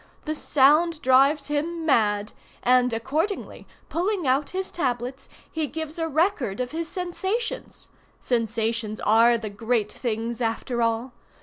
The sound drives him mad, and, accordingly, pulling out his tablets, he gives a record of his sensations. Sensations are the great things after all.